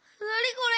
これ。